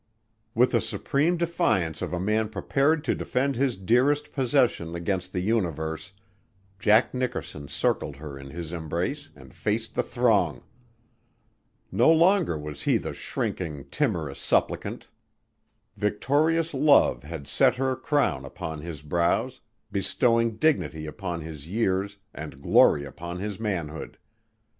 With the supreme defiance of a man prepared to defend his dearest possession against the universe, Jack Nickerson circled her in his embrace and faced the throng. No longer was he the shrinking, timorous supplicant. Victorious love had set her crown upon his brows, bestowing dignity upon his years and glory upon his manhood.